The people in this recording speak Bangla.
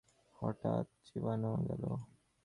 হঠাৎ তাহার চিবানো বন্ধ হইয়া গেল।